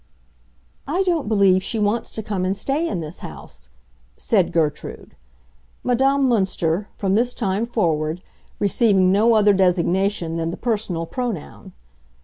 "I don't believe she wants to come and stay in this house," said Gertrude; Madame Münster, from this time forward, receiving no other designation than the personal pronoun.